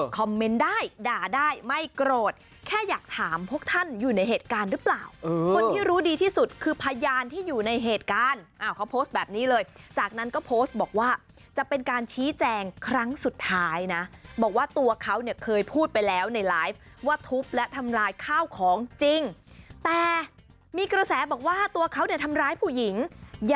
ได้ด่าได้ไม่โกรธแค่อยากถามพวกท่านอยู่ในเหตุการณ์หรือเปล่าคนที่รู้ดีที่สุดคือพยานที่อยู่ในเหตุการณ์เขาโพสต์แบบนี้เลยจากนั้นก็โพสต์บอกว่าจะเป็นการชี้แจงครั้งสุดท้ายนะบอกว่าตัวเขาเนี่ยเคยพูดไปแล้วในไลฟ์ว่าทุบและทำลายข้าวของจริงแต่มีกระแสบอกว่าตัวเขาเนี่ยทำร้ายผู้หญิง